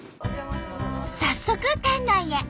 早速店内へ。